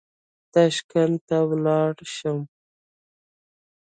تاشکند ته ولاړ شم.